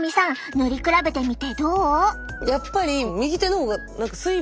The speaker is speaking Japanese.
塗り比べてみてどう？